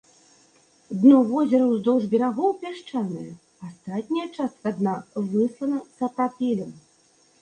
Дно возера ўздоўж берагоў пясчанае, астатняя частка дна выслана сапрапелем.